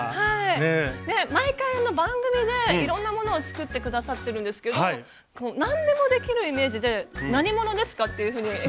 毎回番組でいろんなものを作って下さってるんですけど何でもできるイメージで何者ですか？っていうふうに。